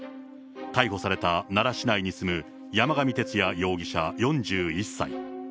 逮捕された奈良市内に住む山上徹也容疑者４１歳。